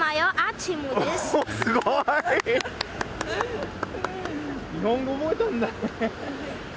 すごい！日本語覚えたんだね。